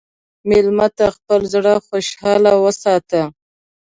مېلمه ته خپل زړه خوشحال وساته.